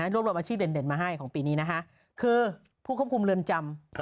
รวมอาชีพเด่นมาให้ของปีนี้นะคะคือผู้ควบคุมเรือนจำ